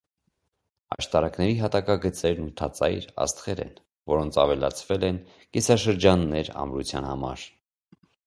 Աշտարակների հատակագծերն ութածայր աստղեր են, որոնց ավելացվել են կիսաշրջաններ՝ ամրության համար։